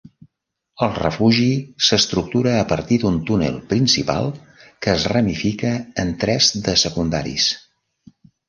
El refugi s'estructura a partir d'un túnel principal que es ramifica en tres de secundaris.